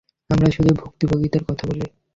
আমরা শুধুই ভুক্তভোগীর কথা বলি।